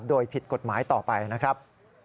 โดยผิดกฎหมายต่อไปนะครับ